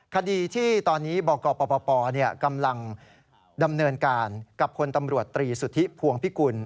คดีที่ตอนนี้บกปปกำลังดำเนินการกับพลตำรวจตรีสุธิพวงพิกุล